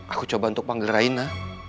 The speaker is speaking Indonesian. aku coba untuk panggil raina